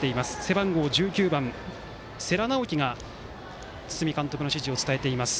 背番号１９番、世良直輝が堤監督の指示を伝えています。